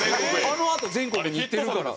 あのあと全国に行ってるから。